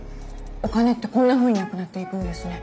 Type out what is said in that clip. お金ってこんなふうになくなっていくんですね。